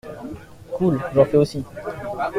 Cool, j'en fait aussi.